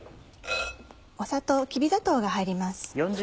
きび砂糖が入ります。